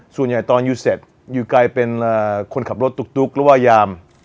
ส่วนใหญ่ตอนอยู่เสร็จอยู่ไกลเป็นคนขับรถตุ๊กหรือว่ายาม